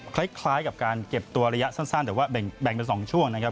คล้ายกับการเก็บตัวระยะสั้นแต่ว่าแบ่งเป็น๒ช่วงนะครับ